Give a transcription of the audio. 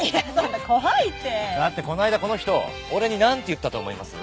だってこの間この人俺になんて言ったと思います？